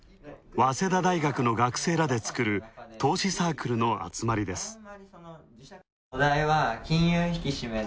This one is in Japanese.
早稲田大学の学生らで作る投資サークルの集まりです。